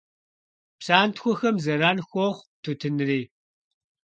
Псантхуэхэм зэран хуохъу тутынри.